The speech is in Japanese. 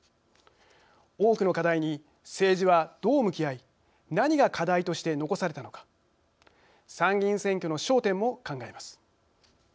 多くの課題に政治はどう向き合い何が課題として残されたのか参議院選挙の焦点も考えます。